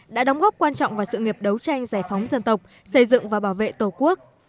đã đóng góp quan trọng vào sự nghiệp đấu tranh giải phóng dân tộc xây dựng và bảo vệ tổ quốc